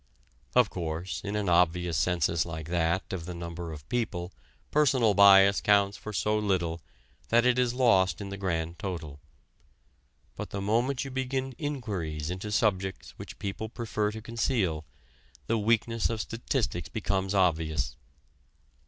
Of course, in an obvious census like that of the number of people personal bias counts for so little that it is lost in the grand total. But the moment you begin inquiries into subjects which people prefer to conceal, the weakness of statistics becomes obvious.